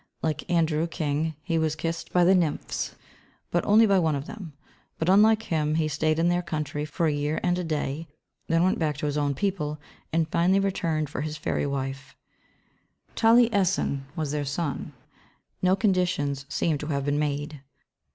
Like Andrew King he was kissed by the nymphs, but only by one of them; but unlike him he stayed in their country for a year and a day, then went back to his own people, and finally returned for his fairy wife. Taliesin was their son. No conditions seem to have been made.